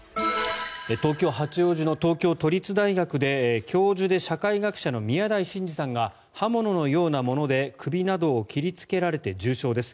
東京・八王子市の東京都立大学で教授で社会学者の宮台真司さんが刃物のようなもので首などを切りつけられて重傷です。